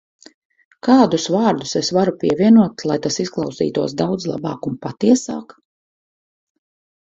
Kādus vārdus es varu pievienot, lai tas izklausītos daudz labāk un patiesāk?